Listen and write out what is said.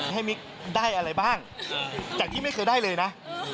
มิ๊กได้อะไรบ้างจากที่ไม่เคยได้เลยนะ